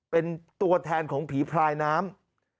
เป็นตัวแทนของผีพลายน้ำ